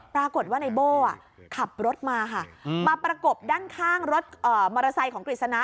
ปรากฏว่าในโบ้ขับรถมาค่ะมาประกบด้านข้างรถมอเตอร์ไซค์ของกฤษณะ